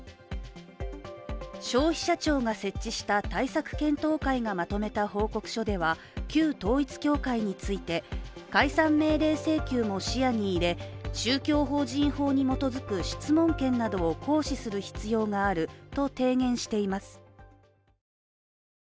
消費者庁が設置した対策検討会がまとめた報告書では旧統一教会について、解散命令請求も視野に入れ宗教法人法に基づく質問権などを行使する必要があると提言しています。